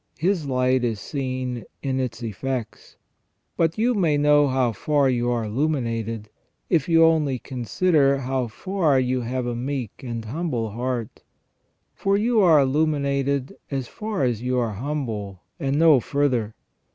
His light is seen in its effects. But you may know how far you are illuminated, if you only consider how far you have a meek and humble heart ; for you are illuminated as far as you are humble, and no further.